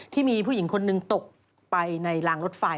ที่มีผู้หญิงคนหนึ่งตกไปในรางรถไฟ